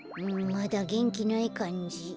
まだげんきないかんじ。